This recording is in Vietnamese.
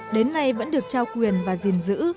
đến nay vẫn được trao quyền và gìn giữ